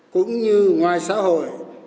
cũng như ngoài xã hội